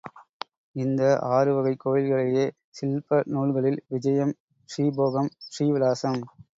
இந்த ஆறு வகைக் கோயில்களையே சில்ப நூல்களில் விஜயம் ஸ்ரீபோகம், ஸ்ரீவிலாசம்.